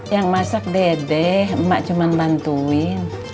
yang masak dede mbak cuma bantuin